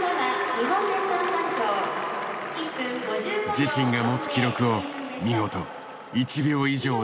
自身が持つ記録を見事１秒以上縮めてみせた。